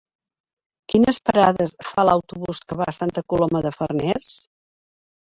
Quines parades fa l'autobús que va a Santa Coloma de Farners?